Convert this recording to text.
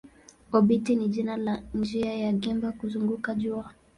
Obiti ni jina la njia ya gimba kuzunguka jua.